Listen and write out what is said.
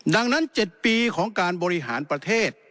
ดังนั้น๗ปีของการบริหารประเทศ